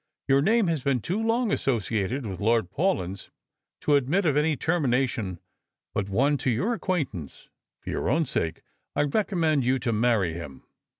Your name has been too long asso ciated with Lord Paulyn's to admit of any termination but one to your acquaintance. For your own sake, 1 recommend you to marry him."